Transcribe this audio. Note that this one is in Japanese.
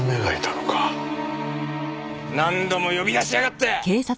何度も呼び出しやがって！